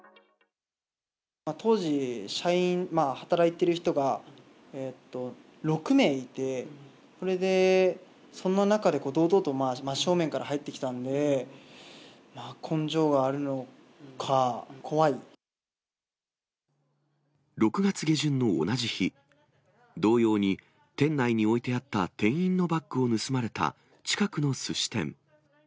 当時、社員、働いてる人が、６名いて、それで、その中で堂々と真正面から入ってきたんで、根性があるのか、６月下旬の同じ日、同様に、店内に置いてあった店員のバッグを盗まれた近くのすし店。